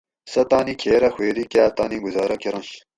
سہ تانی کھیرہ خویری کاۤ تانی گُزارہ کرنش